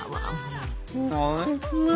おいしい。